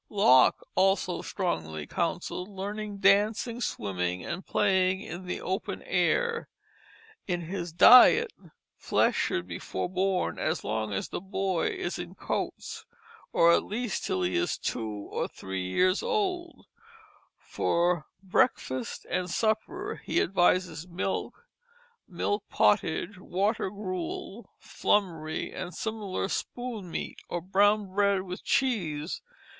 Locke also strongly counselled learning dancing, swimming, and playing in the open air. In his diet "flesh should be forborn as long as the boy is in coats, or at least till he is two or three years old"; for breakfast and supper he advises milk, milk pottage, water gruel, flummery, and similar "spoon meat," or brown bread with cheese.